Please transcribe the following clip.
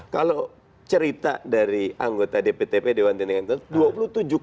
kalau cerita dari anggota dptp dewan tindakan tentang